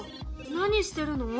何してるの？